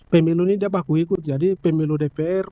pemilu ini dia baku ikut jadi pemilu dpr